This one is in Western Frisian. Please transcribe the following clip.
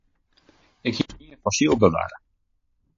Ik hie in fossyl bewarre.